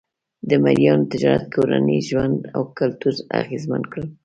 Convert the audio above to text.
د مریانو تجارت کورنی ژوند او کلتور اغېزمن کړ.